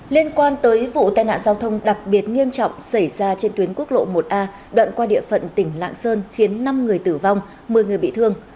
liên quan tới vụ tai nạn giao thông đặc biệt nghiêm trọng xảy ra trên tuyến quốc lộ một a đoạn qua địa phận tỉnh lạng sơn khiến năm người tử vong một mươi người bị thương